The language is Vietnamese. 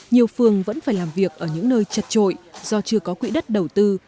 nhiều phương vẫn phải làm việc ở những nơi chặt chội do chưa có quỹ đất đầu tư